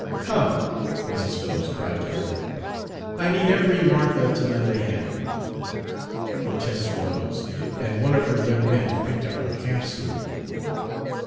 "Come," Mrs. Phillips cried to her, "I need every Martha to lend a hand." Hortense rose, and one of her young men picked up her campstool.